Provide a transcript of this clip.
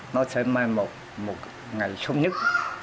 nó sẽ mang một ngày sống nhất